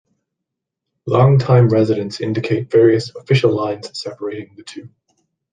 Long-time residents indicate various "official lines" separating the two.